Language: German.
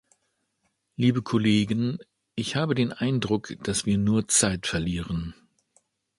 Liebe Kollegen, ich habe den Eindruck, dass wir nur Zeit verlieren.